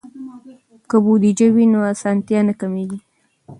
که بودیجه وي نو اسانتیا نه کمېږي.